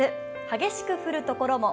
激しく降る所も。